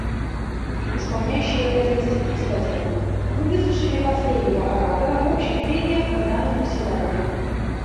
Исполняющий обязанности Председателя: Мы выслушали последнего оратора в общих прениях на данном заседании.